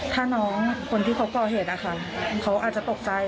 ถ้าน้องคนที่เขาก่อเหตุนะคะเขาอาจจะตกใจ